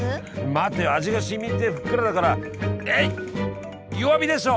待てよ味がしみてふっくらだからえい弱火でしょ！